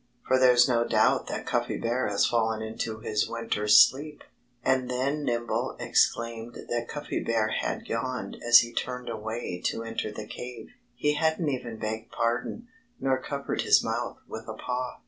For there's no doubt that Cuffy Bear has fallen into his winter's sleep." And then Nimble exclaimed that Cuffy Bear had yawned as he turned away to enter the cave. He hadn't even begged pardon, nor covered his mouth with a paw.